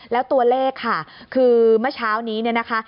แล้วตัวเลขคือเมื่อเช้านี้นะฮะ